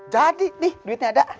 jadi nih duitnya ada